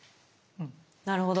なるほど。